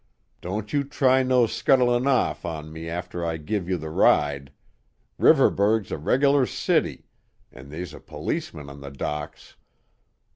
Don't you try no scuttlin' off on me after I give you the ride; Riverburgh's a reg'lar city, an' they's a policeman on the docks."